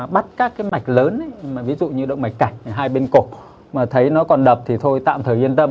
bắt các cái mạch lớn mà ví dụ như động mạch cảnh hai bên cổ mà thấy nó còn đập thì thôi tạm thời yên tâm